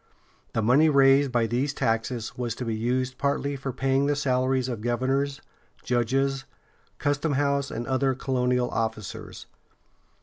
The money raised by these taxes was to be used partly for paying the salaries of governors, judges, customhouse and other colonial officers.